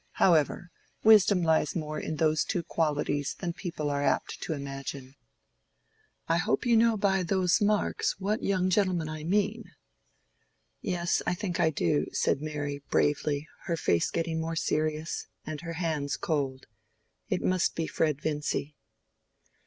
However, wisdom lies more in those two qualities than people are apt to imagine. I hope you know by those marks what young gentleman I mean." "Yes, I think I do," said Mary, bravely, her face getting more serious, and her hands cold; "it must be Fred Vincy."